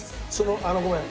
あのごめん。